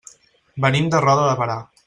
Venim de Roda de Berà.